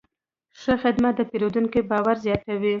ښه خدمت د پیرودونکي باور زیاتوي.